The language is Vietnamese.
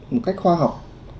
một cách khoa học